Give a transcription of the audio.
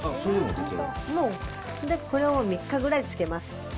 もう、これを３日ぐらい漬けます。